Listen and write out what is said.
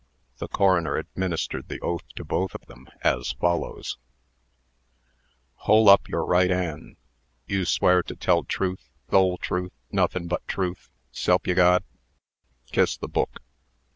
The coroner administered the oath to both of them, as follows: "Holeup your ri't'an'. You swear to tell truth, th'ole truth, nothin' but truth, s'elpyeGod. Kiss the book."